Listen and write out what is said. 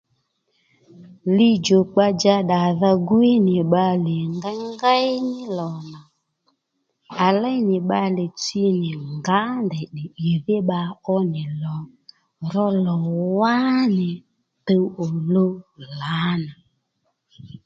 Lidjòkpa dja ddàdha gwíy nì bbalè ngéyngéy ní lò nà à léy nì bbalè tsi nì ngǎ ndèy tdè ì dhí bba ó nì lò ró lò wá nì tuw ò luw lǎnà